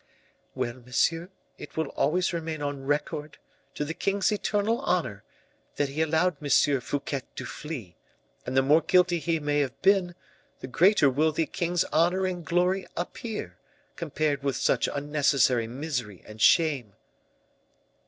"Well, monsieur, it will always remain on record, to the king's eternal honor, that he allowed M. Fouquet to flee; and the more guilty he may have been, the greater will the king's honor and glory appear, compared with such unnecessary misery and shame."